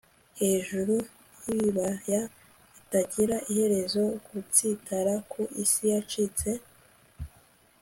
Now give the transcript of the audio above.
Hejuru yibibaya bitagira iherezo gutsitara ku isi yacitse